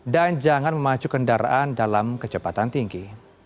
dan jangan memacu kendaraan dalam kecepatan tinggi